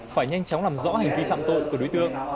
phải nhanh chóng làm rõ hành vi phạm tội của đối tượng